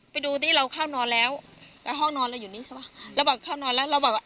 ไปดูดิเราเข้านอนแล้วแล้วห้องนอนเราอยู่นี่ใช่ป่ะเราบอกเข้านอนแล้วเราบอกว่า